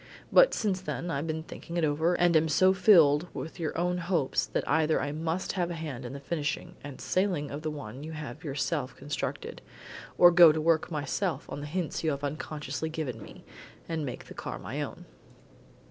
But since then I've been thinking it over, and am so filled with your own hopes that either I must have a hand in the finishing and sailing of the one you have yourself constructed, or go to work myself on the hints you have unconsciously given me, and make a car of my own."